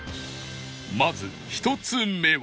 まず１つ目は